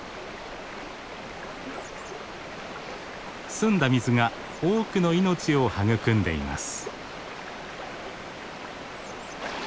澄んだ水が多くの命を育んでいます。